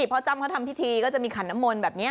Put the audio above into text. จ้ำเขาทำพิธีก็จะมีขันน้ำมนต์แบบนี้